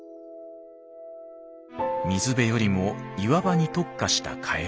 水辺よりも岩場に特化したカエル。